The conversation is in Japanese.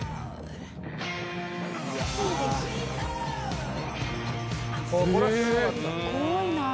すごいなー！